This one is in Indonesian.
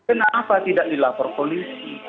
kenapa tidak dilapor polisi